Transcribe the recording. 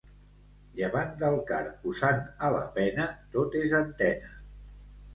Llevant del car posant a la pena, tot és antena.